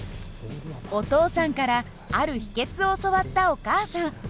お父さんからある秘けつを教わったお母さん。